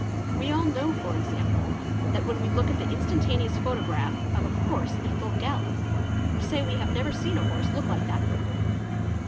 We all know e.g., that when we look at the instantaneous photograph of a horse at full gallop, we say we have never seen a horse look like that before.